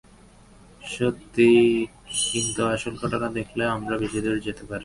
সত্যি, কিন্তু আসল ঘটনা দেখলে, আমি কিন্তু বেশি দূর যেতে পারিনি।